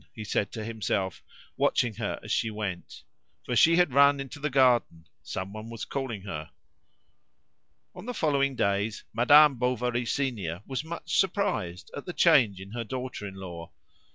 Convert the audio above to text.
he said to himself, watching her as she went. For she had run into the garden. Someone was calling her. On the following days Madame Bovary senior was much surprised at the change in her daughter in law.